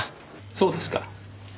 そうですか。